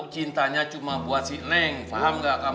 cintanya cuma buat si neng faham gak kamu